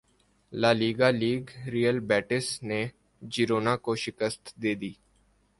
La Liga league Real Betis نے Girona کو شکست دیدی